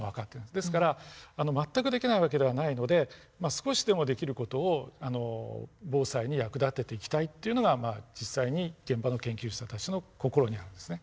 ですから全くできない訳ではないので少しでもできる事を防災に役立てていきたいっていうのが実際に現場の研究者たちの心にあるんですね。